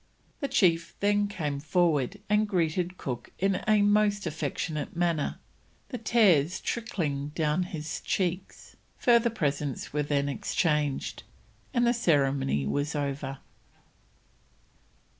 The chief then came forward and greeted Cook in a most affectionate manner, the tears trickling down his cheeks. Further presents were then exchanged, and the ceremony was over.